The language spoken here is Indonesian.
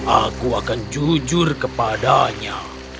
aku akan jujur kepadanya